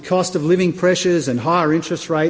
kekuatan ini berkumpul dengan harga hidup yang berharga